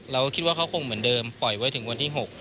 เราคิดว่าเขาคงเหมือนเดิมปล่อยไว้ถึงวันที่๖